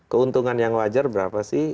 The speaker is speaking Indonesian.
keuntungan yang wajar berapa sih